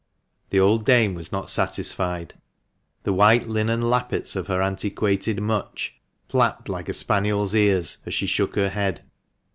The old dame was not satisfied. The white linen lappets of her antiquated mutch flapped like a spaniel's ears as she shook her head.